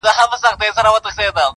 امتياز يې د وهلو کُشتن زما دی-